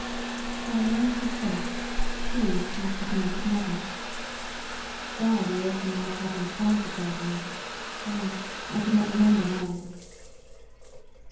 By the way he spoke, "SHE" must have meant his mother. There the orphan lad had an advantage over me; alas! I did not remember mine.